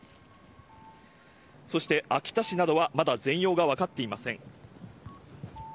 そして、秋田市などはまだ全容が分かっていません。